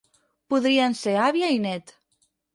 Podrien ser àvia i net.